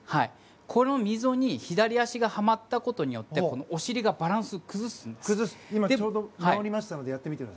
この溝に左足がはまったことによってお尻がバランスを崩すんです。